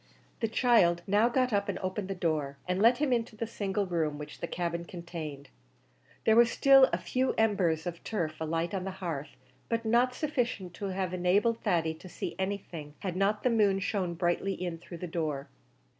The child now got up and opened the door, and let him into the single room which the cabin contained. There were still a few embers of turf alight on the hearth, but not sufficient to have enabled Thady to see anything had not the moon shone brightly in through the door.